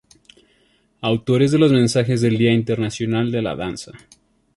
Autores de los Mensajes del Día Internacional de la Danza